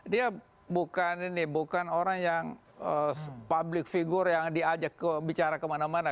dia bukan ini bukan orang yang public figure yang diajak bicara kemana mana